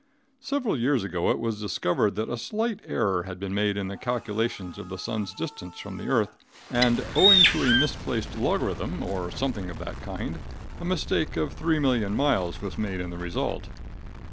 Several years ago it was discovered that a slight error had been made in the calculations of the sun's distance from the earth, and, owing to a misplaced logarithm, or something of that kind, a mistake of 3,000,000 miles was made in the result.